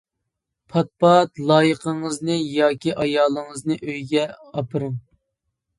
پات-پات لايىقىڭىزنى ياكى ئايالىڭىزنى ئۆيگە ئاپىرىڭ.